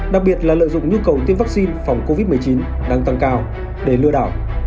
đặc biệt là lợi dụng nhu cầu tiêm vaccine phòng covid một mươi chín đang tăng cao để lừa đảo